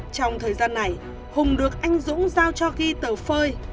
trong thời gian này hùng được anh dũng giao cho ghi tờ phơi